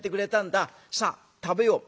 さあ食べよう」。